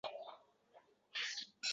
Xudoni o‘zi ko‘rsatibdi, der edi, — dedi.